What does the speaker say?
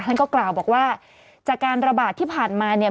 ท่านก็กล่าวบอกว่าจากการระบาดที่ผ่านมาเนี่ย